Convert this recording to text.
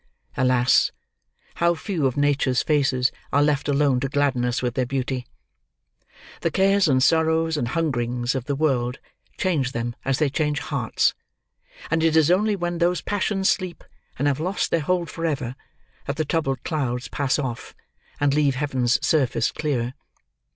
Alas! How few of Nature's faces are left alone to gladden us with their beauty! The cares, and sorrows, and hungerings, of the world, change them as they change hearts; and it is only when those passions sleep, and have lost their hold for ever, that the troubled clouds pass off, and leave Heaven's surface clear.